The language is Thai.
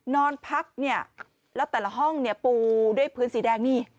นอนพักแล้วแต่ละห้องปูด้วยพื้นสีแดงนี่